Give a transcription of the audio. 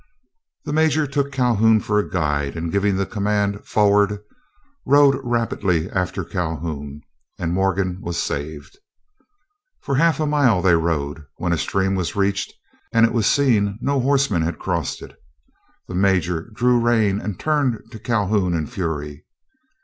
The major took Calhoun for a guide, and giving the command, "Forward," rode rapidly after Calhoun, and Morgan was saved. For half a mile they rode, when a stream was reached, and it was seen no horseman had crossed it. The major drew rein and turned to Calhoun in fury.